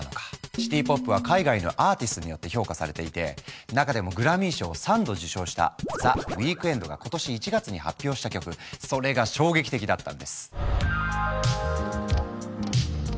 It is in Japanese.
シティ・ポップは海外のアーティストによって評価されていて中でもグラミー賞を３度受賞したＴｈｅＷｅｅｋｎｄが今年１月に発表した曲それが衝撃的だったんです。